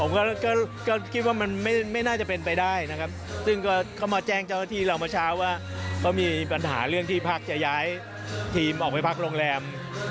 ผมก็คิดว่ามันไม่น่าจะเป็นไปได้นะครับซึ่งก็มาแจ้งเจ้าหน้าที่เราเมื่อเช้าว่าก็มีปัญหาเรื่องที่พักจะย้ายทีมออกไปพักโรงแรม